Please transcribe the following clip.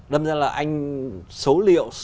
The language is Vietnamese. đâm ra là anh số liệu